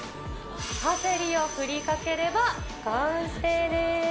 パセリを振りかければ完成です。